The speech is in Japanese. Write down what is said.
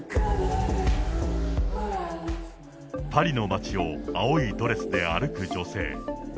パリの街を青いドレスで歩く女性。